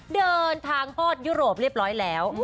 เดินทางฮอดยุโรปเรียบร้อยแล้ว